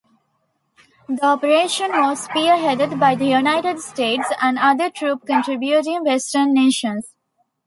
The operation was spearheaded by the United States and other troop-contributing Western nations.